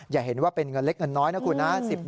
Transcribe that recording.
อย่าเห็นว่าเป็นเงินเล็กเงินน้อยนะคุณนะ